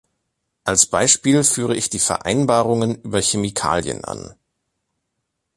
Als Beispiel führe ich die Vereinbarungen über Chemikalien an.